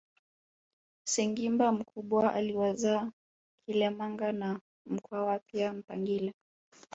Sengimba mkubwa aliwazaa Kilemaganga na Mkwawa pia Mpangile